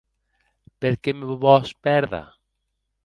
Per qué me vòs pèrder?